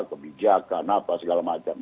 kebijakan apa segala macam